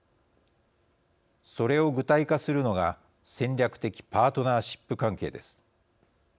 それを具体化するのが戦略的パートナーシップ関係です。